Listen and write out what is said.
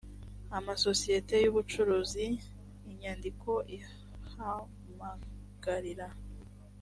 amasosiyete y ubucuruzi inyandiko ihamagarira